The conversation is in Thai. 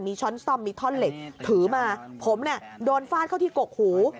มีช้อนซ่อมมีท่อนเหล็กถือมาผมเนี่ยโดนฟาดเข้าที่กกหู